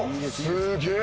すげえ！